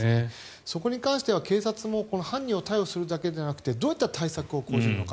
そこに関しては警察も犯人を逮捕するだけじゃなくてどういった対策を講じるか。